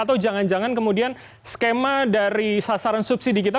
atau jangan jangan kemudian skema dari sasaran subsidi kita